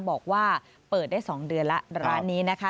บอกว่าเปิดได้๒เดือนแล้วร้านนี้นะคะ